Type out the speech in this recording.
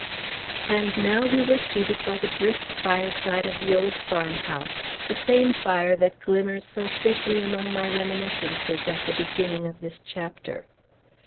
And now we were seated by the brisk fireside of the old farmhouse, the same fire that glimmers so faintly among my reminiscences at the beginning of this chapter.